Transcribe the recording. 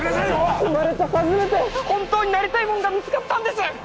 生まれて初めて本当になりたいものが見つかったんです！